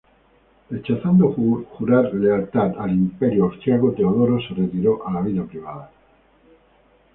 Rechazando jurar lealtad al Imperio austriaco, Teodoro se retiró a la vida privada.